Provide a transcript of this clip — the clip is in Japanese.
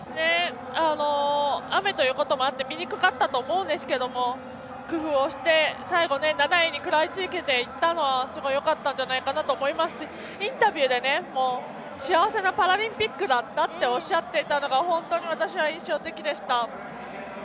雨ということもあって見にくかったと思いますが工夫をして、最後７位に食らいつけていったのはすごいよかったんじゃないかと思いますし、インタビューで幸せなパラリンピックだったとおっしゃっていたのが本当に私は印象的でした。